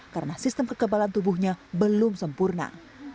karena sistem kekebalan tubuhnya belum sempurna